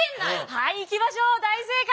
はいいきましょう大正解！